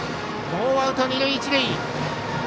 ノーアウト、二塁一塁。